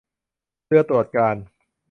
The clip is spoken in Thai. เรือตรวจการณ์